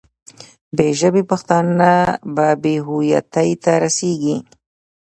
بې ژبې پښتانه به بې هویتۍ ته رسېږي.